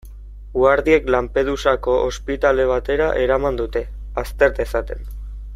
Guardiek Lampedusako ospitale batera eraman dute, azter dezaten.